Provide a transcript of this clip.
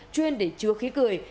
chuyên để chứa khí cười